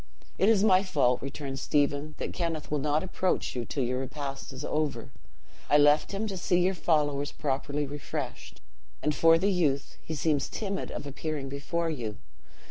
"It is my fault," returned Stephen, "that Kenneth will not approach you till your repast is over. I left him to see your followers properly refreshed. And for the youth, he seems timid of appearing before you.